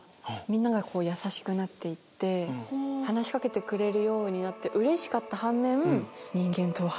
みんなが優しくなって行って話し掛けてくれるようになってうれしかった半面。